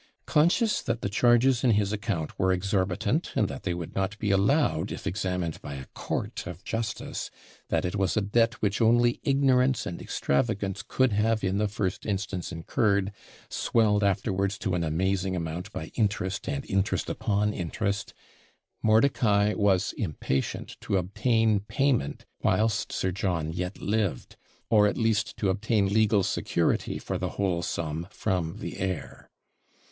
Conscious that the charges in his account were exorbitant, and that they would not be allowed if examined by a court of justice; that it was a debt which only ignorance and extravagance could have in the first instance incurred, swelled afterwards to an amazing amount by interest, and interest upon interest; Mordicai was impatient to obtain payment whilst Sir John yet lived, or at least to obtain legal security for the whole sum from the heir.